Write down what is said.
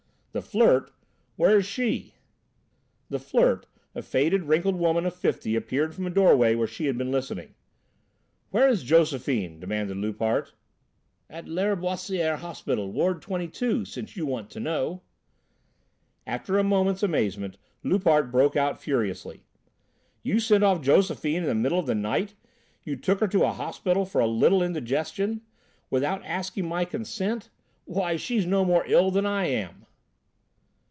"The Flirt! Where is she?" The Flirt, a faded, wrinkled woman of fifty, appeared from a doorway where she had been listening. "Where is Josephine?" demanded Loupart. "At Lâriboisière hospital, ward 22, since you want to know." After a moment's amazement, Loupart broke out furiously: "You sent off Josephine in the middle of the night! You took her to a hospital for a little indigestion! Without asking my consent! Why she's no more ill than I am!"